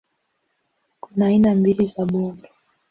Kuna aina mbili za bunge